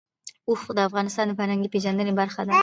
اوښ د افغانانو د فرهنګي پیژندنې برخه ده.